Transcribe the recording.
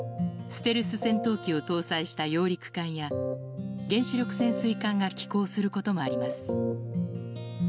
ステルス戦闘機を搭載した揚陸艦や原子力潜水艦が寄港することもあります。